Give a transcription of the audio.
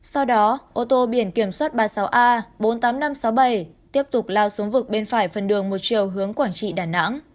sau đó ô tô biển kiểm soát ba mươi sáu a bốn mươi tám nghìn năm trăm sáu mươi bảy tiếp tục lao xuống vực bên phải phần đường một chiều hướng quảng trị đà nẵng